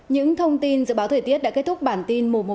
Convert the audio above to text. những thông tin dự báo thời tiết đã kết thúc bản tin mùa một